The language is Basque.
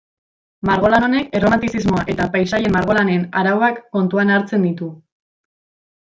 Margolan honek Erromantizismoa eta paisaien margolanen arauak kontuan hartzen ditu.